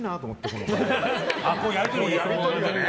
このやり取りがね。